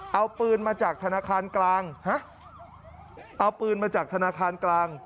เอาปืนมาจากธนาคารกลางฮะเอาปืนมาจากธนาคารกลาง